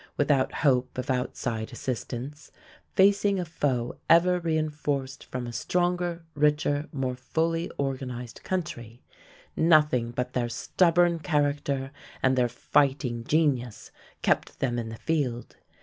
Without hope of outside assistance, facing a foe ever reinforced from a stronger, richer, more fully organized country, nothing but their stubborn character and their fighting genius kept them in the field.